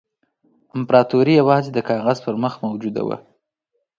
امپراطوري یوازې د کاغذ پر مخ موجوده وه.